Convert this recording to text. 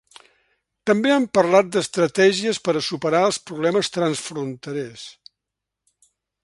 També han parlat d’estratègies per a superar els problemes transfronterers.